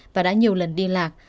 và đã nhiều lần đi lạc